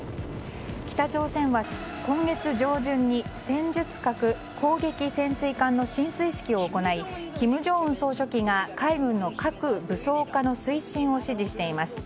北朝鮮は今月上旬に戦術核攻撃潜水艦の進水式を行い金正恩総書記が海軍の核武装化の推進を指示しています。